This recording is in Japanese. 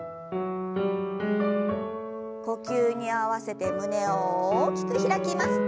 呼吸に合わせて胸を大きく開きます。